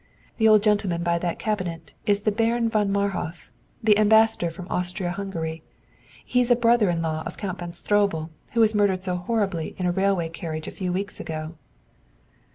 The old gentleman by that cabinet is the Baron von Marhof, the Ambassador from Austria Hungary. He's a brother in law of Count von Stroebel, who was murdered so horribly in a railway carriage a few weeks ago."